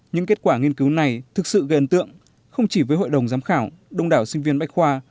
những kết quả nghiên cứu này thực sự gây ấn tượng không chỉ với hội đồng giám khảo đông đảo sinh viên bách khoa